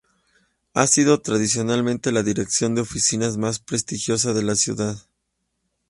Ha sido tradicionalmente la dirección de oficinas más prestigiosa de la ciudad.